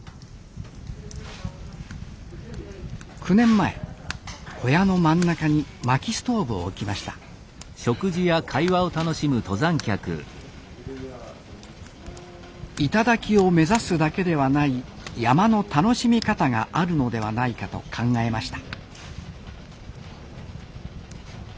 ９年前小屋の真ん中に薪ストーブを置きました頂を目指すだけではない山の楽しみ方があるのではないかと考えました